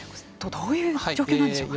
どういう状況なんでしょうか。